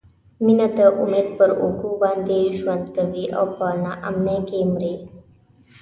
مینه د امید پر اوږو باندې ژوند کوي او په نا امیدۍ کې مري.